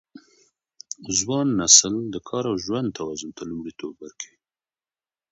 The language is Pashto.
ځوان نسل د کار او ژوند توازن ته لومړیتوب ورکوي.